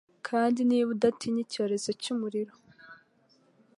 kandi niba udatinye icyorezo cyumuriro